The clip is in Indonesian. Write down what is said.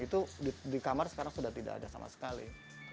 itu di kamar sekarang sudah tidak ada sama sekali